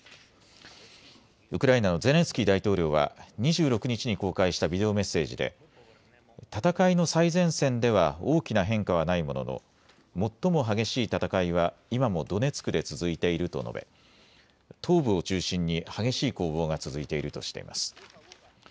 ウクライナのゼレンスキー大統領は２６日に公開したビデオメッセージで戦いの最前線では大きな変化はないものの最も激しい戦いは今もドネツクで続いていると述べ東部を中心に激しい攻防が続いているとしています。